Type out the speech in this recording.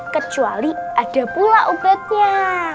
kecuali ada pula ubatnya